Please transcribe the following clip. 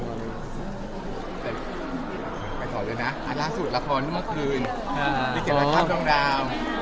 ไปถอดด้วยนะอันล่าสุดละครเมื่อคืนวิเกียรติธรรมดาวน์